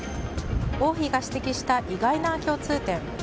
王妃が指摘した意外な共通点。